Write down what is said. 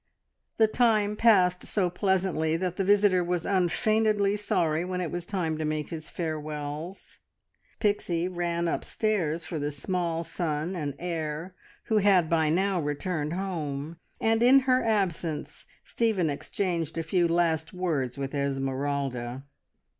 The time passed so pleasantly that the visitor was unfeignedly sorry when it was time to make his farewells. Pixie ran upstairs for the small son and heir, who had by now returned home, and in her absence Stephen exchanged a few last words with Esmeralda.